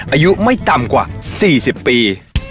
อายุไม่ต่ำกว่า๔๐ปี